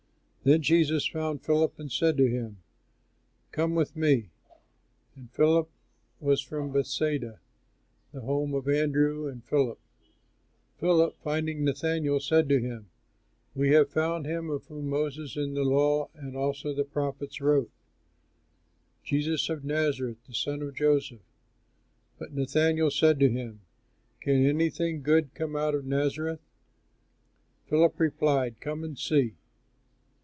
Then Jesus found Philip and said to him, "Come with me." Now Philip was from Bethsaida, the home of Andrew and Peter. Philip, finding Nathanael, said to him, "We have found him of whom Moses in the law and also the prophets wrote: Jesus of Nazareth, the son of Joseph." But Nathanael said to him, "Can anything good come out of Nazareth?" Philip replied, "Come and see."